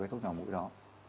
với thuốc nhỏ mũi đó